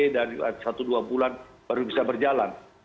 dan satu dua bulan baru bisa berjalan